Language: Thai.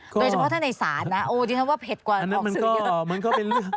โดยเฉพาะถ้าในศาลนะโอ้จริงว่าเผ็ดกว่าออกซื้ออยู่